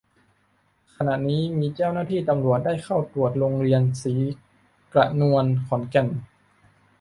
ขณะนี้มีเจ้าหน้าที่ตำรวจได้เข้าตรวจโรงเรียนศรีกระนวน ขอนแก่น